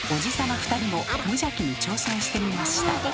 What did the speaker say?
２人も無邪気に挑戦してみました。